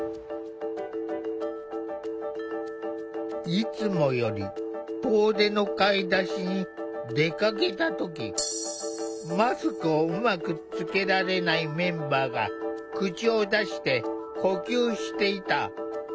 いつもより遠出の買い出しに出かけた時マスクをうまくつけられないメンバーが口を出して呼吸していた。